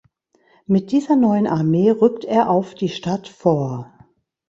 Mit dieser neuen Armee rückt er auf die Stadt vor.